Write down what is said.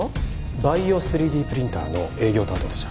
バイオ３Ｄプリンターの営業担当でした。